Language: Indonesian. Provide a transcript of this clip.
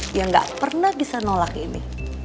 dia nggak pernah bisa nolak ini